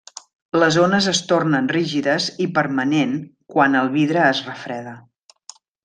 Les ones es tornen rígides i permanent quan el vidre es refreda.